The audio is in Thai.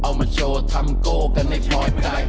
เอามาโชว์ทำโก้กันในพลอยไป